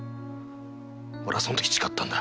俺はそんとき誓ったんだ。